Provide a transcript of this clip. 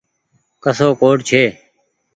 ڪسو ڪوڊ ڇي۔